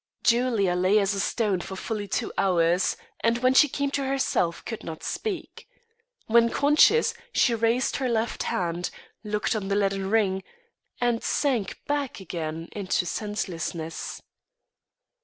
Julia lay as a stone for fully two hours; and when she came to herself could not speak. When conscious, she raised her left hand, looked on the leaden ring, and sank back again into senselessness.